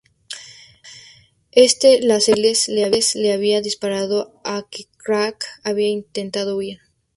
Éste le asegura que Miles le había disparado y que Clark había intentado huir.